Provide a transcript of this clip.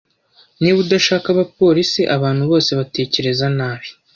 Niba udashaka abapolisi abantu bose batekereza nabi